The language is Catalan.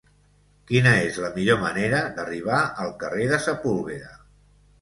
Quina és la millor manera d'arribar al carrer de Sepúlveda?